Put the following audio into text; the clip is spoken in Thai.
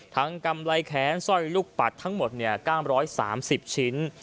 กำไรแขนสร้อยลูกปัดทั้งหมด๙๓๐ชิ้น